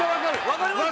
わかります？